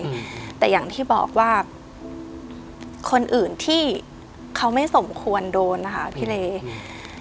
อืมแต่อย่างที่บอกว่าคนอื่นที่เขาไม่สมควรโดนนะคะพี่เลอืม